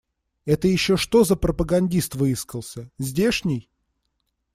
Это еще что за пропагандист выискался? Здешний?